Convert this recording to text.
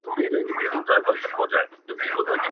خو زړې نښې پاتې وي تل,